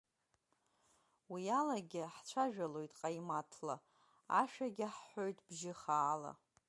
Уиалагьы ҳцәажәалоит ҟаимаҭла, ашәагьы ҳҳәоит бжьы хаала.